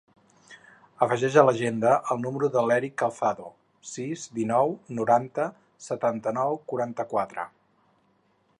Afegeix a l'agenda el número de l'Erick Calzado: sis, dinou, noranta, setanta-nou, quaranta-quatre.